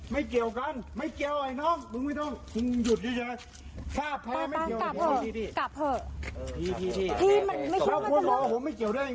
มันไม่คิดว่าจะเลื่อนใหญ่ขนาดนี้